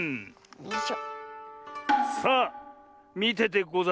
よいしょ。